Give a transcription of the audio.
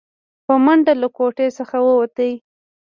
په منډه له کوټې څخه ووته.